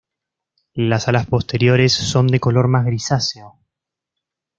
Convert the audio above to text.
Las alas posteriores son de color más grisáceo.